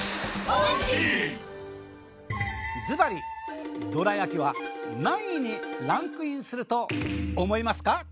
ずばりどら焼きは何位にランクインすると思いますか？